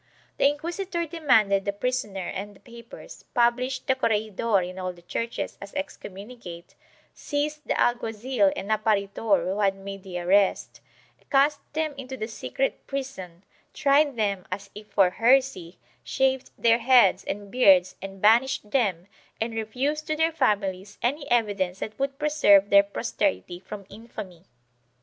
The inquisitor demanded the prisoner and the papers, published the corregidor in all the churches as excommunicate, seized the alguazil and apparitor who had made the arrest, cast them into the secret prison, tried them as if for heresy, shaved their heads and beards and banished them and refused to their families any evidence that would preserve their posterity from infamy.